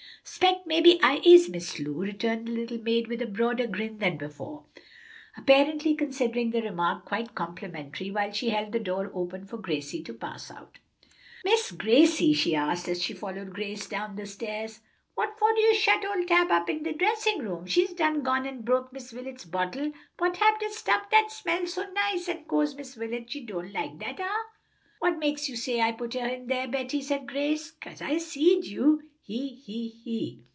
"S'pect mebbe I is, Miss Lu," returned the little maid with a broader grin than before, apparently considering the remark quite complimentary, while she held the door open for Gracie to pass out. "Miss Gracie," she asked, as she followed Grace down the stairs, "what fo' you shut ole Tab up in de dressin' room? She's done gone an' broke Miss Wilet's bottle what hab de stuff dat smell so nice, an' cose Miss Wilet she don' like dat ar." "What makes you say I put her in there, Betty?" said Gracie. "Kase I seed you, he, he, he!"